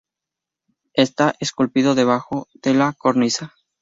Está esculpido debajo de la cornisa.